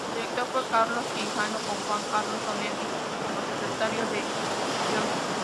Su director fue Carlos Quijano, con Juan Carlos Onetti como secretario de redacción.